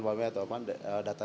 datanya dari sini